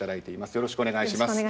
よろしくお願いします。